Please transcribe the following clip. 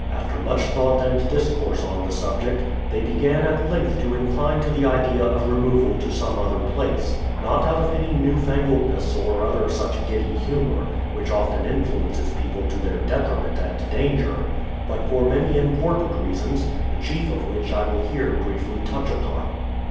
After much thought and discourse on the subject, they began at length to incline to the idea of removal to some other place ; not out of any new f angled ness or other such giddy humour, which often influences people to their detriment and danger, but for many im portant reasons, the chief of which I will here briefly touch upon.